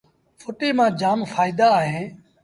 ڦُٽيٚ مآݩ جآم ڦآئيٚدآ اهيݩ